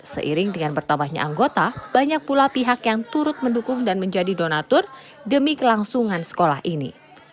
seiring dengan bertambahnya anggota banyak pula pihak yang turut mendukung dan menjadi donatur demi kelangsungan sekolah ini